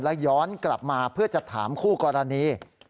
และย้อนกลับมาเพื่อจะถามคู่กรณี